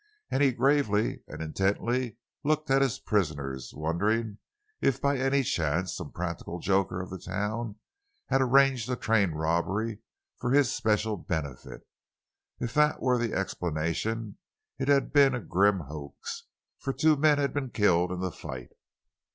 And he gravely and intently looked at his prisoners, wondering if by any chance some practical joker of the town had arranged the train robbery for his special benefit. If that were the explanation it had been grim hoax—for two men had been killed in the fight.